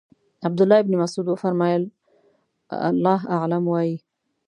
عبدالله ابن مسعود وفرمایل الله اعلم وایئ.